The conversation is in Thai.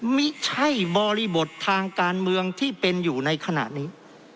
ไม่ใช่บริบททางการเมืองที่เป็นอยู่ในขณะนี้